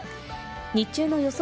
日中の予想